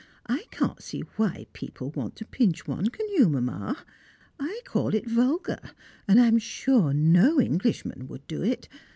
I can't see why people want to pinch one; can you, Mamma? I call it vulgar, and I am sure no Englishman would do it.